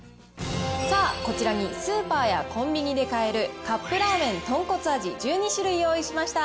さあ、こちらにスーパーやコンビニで買えるカップラーメン豚骨味、１２種類用意しました。